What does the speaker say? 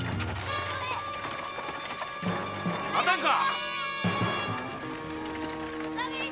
待たんか！